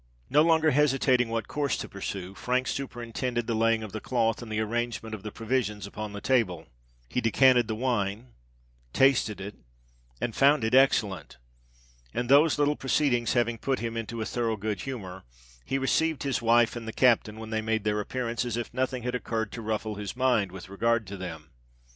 No longer hesitating what course to pursue, Frank superintended the laying of the cloth and the arrangement of the provisions upon the table: he decanted the wine—tasted it—and found it excellent;—and, those little proceedings having put him into a thorough good humour, he received his wife and the captain, when they made their appearance, as if nothing had occurred to ruffle his mind with regard to them.